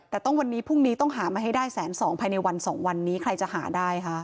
แต่ต้องวันนี้พรุ่งนี้ต้องหามาให้ได้แสนสองภายในวัน๒วันนี้ใครจะหาได้คะ